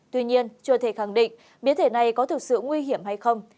tuy nhiên chưa thể khẳng định biến thể này có thực sự nguy hiểm hay không